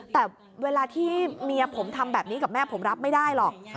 แต่เวลาที่เมียผมทำแบบนี้กับแม่ผมรับไม่ได้หรอก